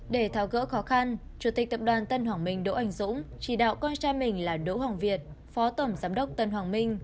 để tháo gỡ khó khăn chủ tịch tập đoàn tân hoàng minh đỗ anh dũng chỉ đạo con trai mình là đỗ hoàng việt phó tổng giám đốc tân hoàng minh